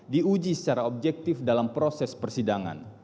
diuji secara objektif dalam proses persidangan